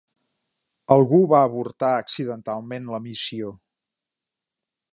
Algú va avortar accidentalment la missió.